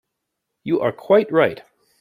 You are quite right.